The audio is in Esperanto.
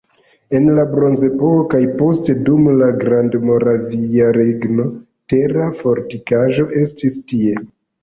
En la bronzepoko kaj poste dum la Grandmoravia Regno tera fortikaĵo estis tie.